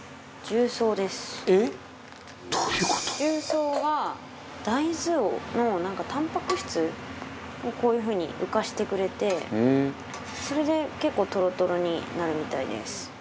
重曹は大豆のタンパク質をこういう風に浮かしてくれてそれで結構トロトロになるみたいです。